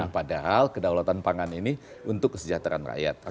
padahal kedaulatan pangan ini untuk kesejahteraan rakyat